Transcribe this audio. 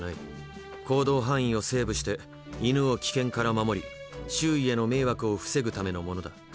行動範囲をセーブして犬を危険から守り周囲への迷惑を防ぐためのものだ。